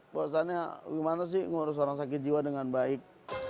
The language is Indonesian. bahwasannya gimana sih ngurus orang sakit jiwa dengan baik